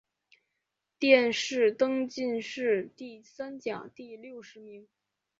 殿试登进士第三甲第六十名。